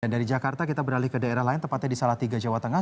dan dari jakarta kita beralih ke daerah lain tepatnya di salatiga jawa tengah